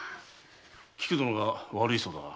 きく殿が悪いそうだが？